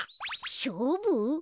しょうぶ？